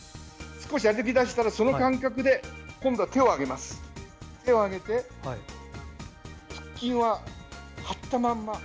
少し歩き出したら、その感覚で今度は手を上げて腹筋は張ったまま。